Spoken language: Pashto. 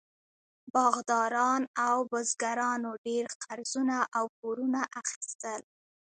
باغداران او بزګرانو ډېر قرضونه او پورونه اخیستل.